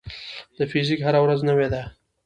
د فزیک هره ورځ نوې ده.